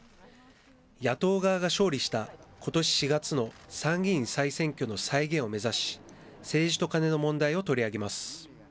野党側が勝利した、ことし４月の参議院再選挙の再現を目指し、政治とカネの問題を取り上げます。